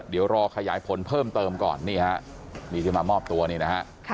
เดี๋ยวรอขยายผลเพิ่มเติมก่อนนี่ฮะนี่ที่มามอบตัวนี่นะฮะ